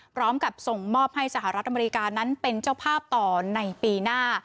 พร้อมกับส่งมอบให้สหรัฐอเมริกานั้นเป็นเจ้าภาพต่อในปีหน้า